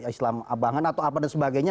islam abangan atau apa dan sebagainya